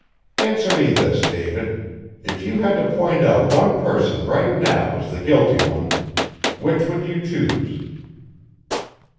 Answer me this, David: if you had to point out one person right now as the guilty one which'd you choose?"